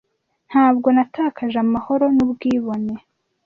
ntabwo natakaje amahoro nubwibone